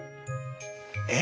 「えっ？